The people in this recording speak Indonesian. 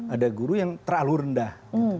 ada guru yang terlalu rendah